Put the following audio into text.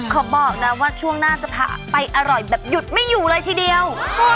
บอกนะว่าช่วงหน้าจะพาไปอร่อยแบบหยุดไม่อยู่เลยทีเดียว